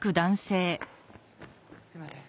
すみません。